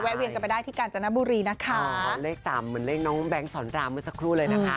เวียนกันไปได้ที่กาญจนบุรีนะคะอ๋อเลขสามเหมือนเลขน้องแบงค์สอนรามเมื่อสักครู่เลยนะคะ